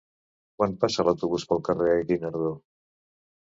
Quan passa l'autobús pel carrer Guinardó?